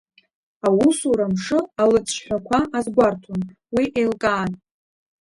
Аусура мшы алыҵшҳәақәа азгәарҭон, уи еилкаан.